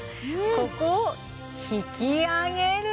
ここを引き上げると。